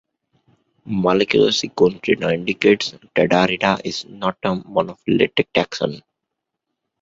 Molecular sequence data indicates "Tadarida" is not a monophyletic taxon.